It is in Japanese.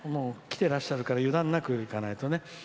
来ていらっしゃるから油断なくいかないとね。